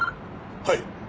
はい。